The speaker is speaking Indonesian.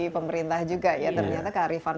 pemerintah juga ya ternyata kearifan